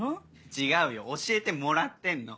違うよ教えてもらってんの。